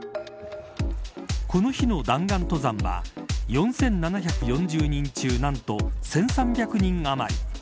この日の弾丸登山は４７４０人中何と１３００人余り。